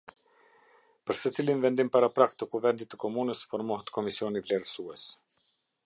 Për secilin vendim paraprak të Kuvendit të Komunës formohet komisioni vlerësues.